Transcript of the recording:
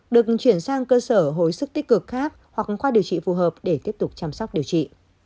được chuyển sang cơ sở hồi sức tích cực khác hoặc khoa điều trị phù hợp để tiếp tục chăm sóc điều trị